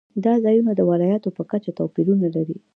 دا ځایونه د ولایاتو په کچه توپیرونه لري.